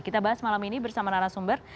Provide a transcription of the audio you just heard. kita bahas malam ini bersama narasumber